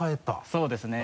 そうですね